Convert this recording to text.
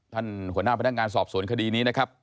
หัวหน้าพนักงานสอบสวนคดีนี้นะครับ